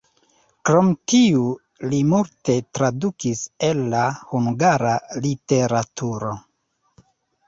Krom tiu li multe tradukis el la hungara literaturo.